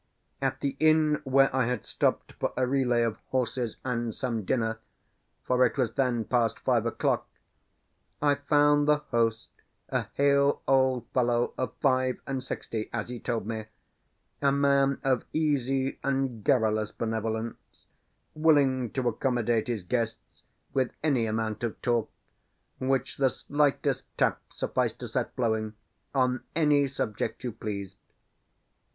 At the inn where I had stopped for a relay of horses and some dinner for it was then past five o'clock I found the host, a hale old fellow of five and sixty, as he told me, a man of easy and garrulous benevolence, willing to accommodate his guests with any amount of talk, which the slightest tap sufficed to set flowing, on any subject you pleased.